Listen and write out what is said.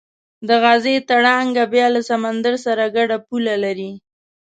د غزې تړانګه بیا له سمندر سره ګډه پوله لري.